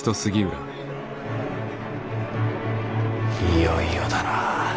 いよいよだな。